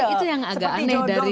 itu yang agak aneh dari